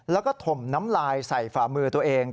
แล้วก็ถมน้ำลายใส่ฝ่ามือตัวเอง